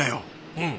うん。